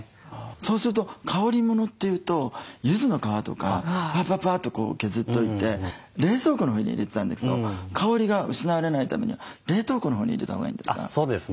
そうすると香りものっていうとゆずの皮とかパパパッて削っといて冷蔵庫のほうに入れてたんですけど香りが失われないためには冷凍庫のほうに入れたほうがいいんですか？